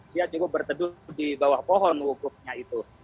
dia juga berteduh di bawah pohon wukufnya itu